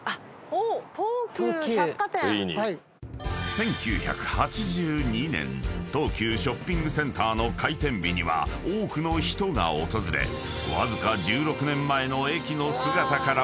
［１９８２年東急ショッピングセンターの開店日には多くの人が訪れわずか］